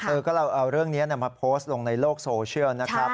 เออก็เราเอาเรื่องนี้มาโพสต์ลงในโลกโซเชียลนะครับ